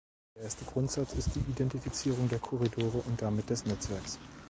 Der erste Grundsatz ist die Identifizierung der Korridore und damit des Netzwerks.